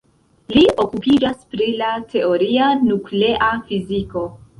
Li okupiĝas pri la teoria nuklea fiziko.